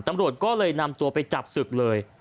ตำรวจก็เลยนำตัวไปจับศึกเลย